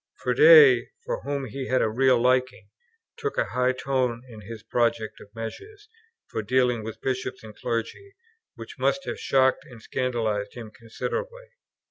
Froude, for whom he had a real liking, took a high tone in his project of measures for dealing with bishops and clergy, which must have shocked and scandalized him considerably.